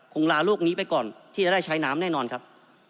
คงลาลูกนี้ไปก่อนที่จะได้ใช้น้ำแน่นอนครับ